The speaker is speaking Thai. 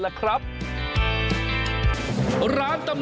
สวัสดีครับคุณพี่สวัสดีครับ